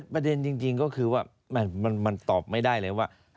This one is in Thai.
จริงก็คือว่ามันตอบไม่ได้เลยว่า